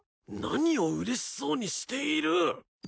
何をうれしそうにしている。